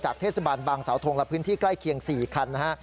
เทศบาลบางสาวทงและพื้นที่ใกล้เคียง๔คันนะฮะ